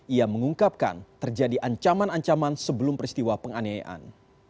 ia mengungkapkan terjadi ancaman ancaman sebelum peristiwa penganiayaan